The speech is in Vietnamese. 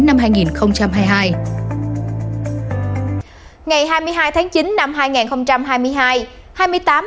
ngày hai mươi hai tháng chín năm hai nghìn hai mươi hai